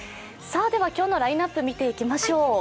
今日のラインナップ見ていきましょう。